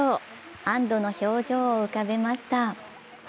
安どの表情を浮かべました。